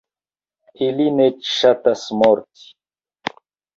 Ili ne ŝatas morti.